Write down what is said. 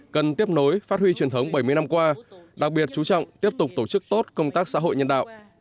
cần tiếp nối phát huy truyền thống bảy mươi năm qua đặc biệt chú trọng tiếp tục tổ chức tốt công tác xã hội nhân đạo